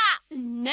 何？